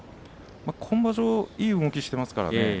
今場所いい動きをしていますからね。